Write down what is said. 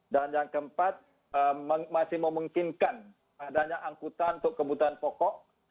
dan yang keempat masih memungkinkan adanya angkutan untuk kebutuhan pokok